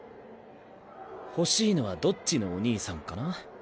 欲しいのはどっちのお兄さんかな？